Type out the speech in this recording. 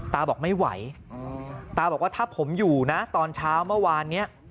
ตาบอกไม่ไหวตาบอกว่าถ้าผมอยู่นะตอนเช้าเมื่อวานนี้